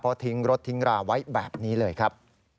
เพราะทิ้งรถทิ้งราไว้แบบนี้เลยครับ